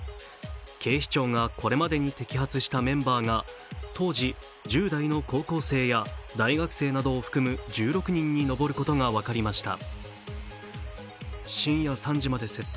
警視庁がこれまでに摘発したメンバーが当時１０代の高校生や大学生などを含む１６人に上ることが分かりました。